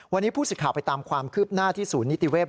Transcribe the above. วันนี้ผู้สิทธิ์ไปตามความคืบหน้าที่ศูนย์นิติเวศ